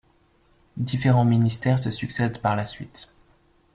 Différents ministères se succèdent par la suite.